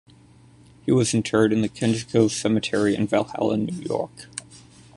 He was interred in the Kensico Cemetery in Valhalla, New York.